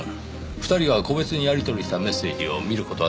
２人が個別にやりとりしたメッセージを見る事はできますか？